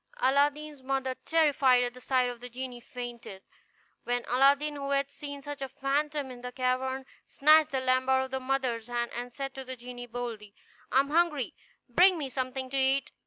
Aladdin's mother, terrified at the sight of the genie, fainted; when Aladdin, who had seen such a phantom in the cavern, snatched the lamp out of his mother's hand, and said to the genie boldly, "I am hungry; bring me something to eat."